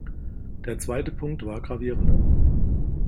Der zweite Punkt war gravierender.